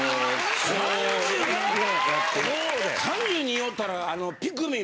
３０人おったら。